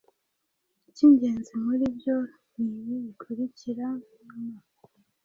icyingenzi muri byo ni ibi bikurikira nyuma